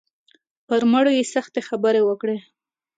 پر مړو یې سختې خبرې وکړې.